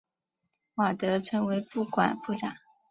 瓦德成为不管部长。